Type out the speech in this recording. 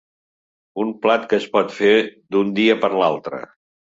Un plat que es pot fer d’un dia per a l’altre.